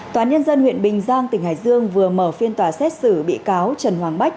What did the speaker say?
tòa nhân dân huyện bình giang tỉnh hải dương vừa mở phiên tòa xét xử bị cáo trần hoàng bách